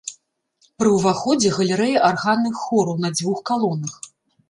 Пры ўваходзе галерэя арганных хораў на дзвюх калонах.